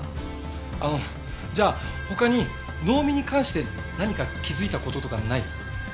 あのじゃあ他に能見に関して何か気づいた事とかない？